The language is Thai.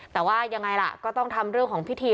แต่ว่ายังไงล่ะก็ต้องทำเรื่องของพิธี